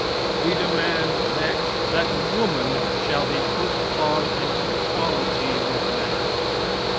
We demand, next, that woman shall be put upon an equality with man.